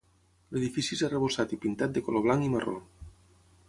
L'edifici és arrebossat i pintat de color blanc i marró.